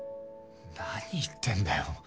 何言ってんだよ